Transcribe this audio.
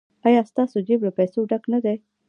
ایا ستاسو جیب له پیسو ډک نه دی؟